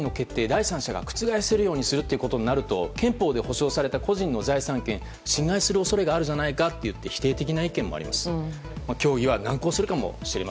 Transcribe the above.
第三者が覆せるようにするとなると憲法で保障された個人の財産権を侵害する恐れがあるんじゃないかという否定的な意見もあります。